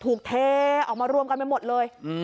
เทออกมารวมกันไปหมดเลย